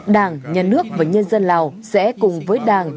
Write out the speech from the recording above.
đảng nhà nước và nhân dân lào sẽ cùng với đảng